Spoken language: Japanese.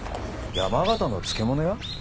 山形の漬物屋？